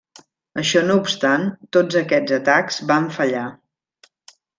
Això no obstant, tots aquests atacs van fallar.